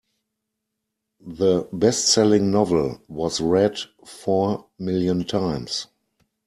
The bestselling novel was read four million times.